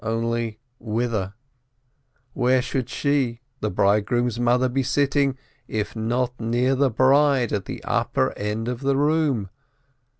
Only whither? Where should she, the bridegroom's mother, be sitting, if not near the bride, at the upper end of the room